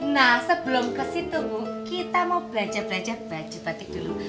nah sebelum ke situ bu kita mau belaja belaja baju batik dulu